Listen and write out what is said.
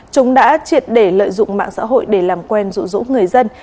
chúng đã triệt để lợi dụng mạng xã hội để làm quen dụ dỗ người dân